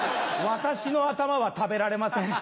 私の頭は食べられません。